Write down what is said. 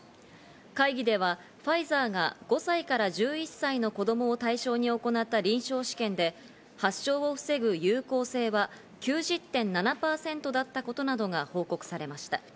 会議ではファイザーが５歳から１１歳の子供を対象に行った臨床試験で発症を防ぐ有効性は９０．７％だったことなどが報告されました。